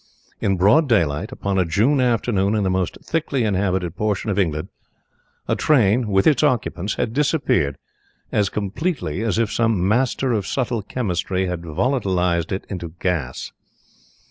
In broad daylight, upon a June afternoon in the most thickly inhabited portion of England, a train with its occupants had disappeared as completely as if some master of subtle chemistry had volatilized it into gas.